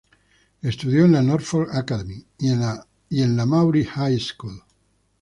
Estudió en la Norfolk Academy y en la Maury High School.